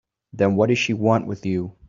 Then what does she want with you?